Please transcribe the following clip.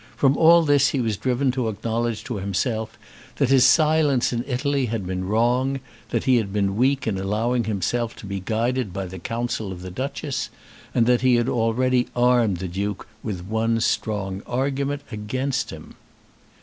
From all this he was driven to acknowledge to himself that his silence in Italy had been wrong, that he had been weak in allowing himself to be guided by the counsel of the Duchess, and that he had already armed the Duke with one strong argument against him.